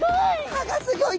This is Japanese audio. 歯がすギョい！